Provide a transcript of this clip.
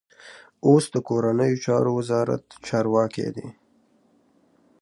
اوس د کورنیو چارو وزارت چارواکی دی.